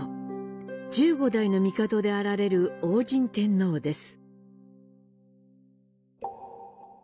十五代の帝であられる応神天皇です。